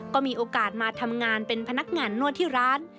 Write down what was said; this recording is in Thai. ก็มีโอกาสมาทำงานเป็นพนักงานนวดที่ร้าน